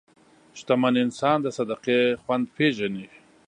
شتمن انسان د صدقې خوند پېژني.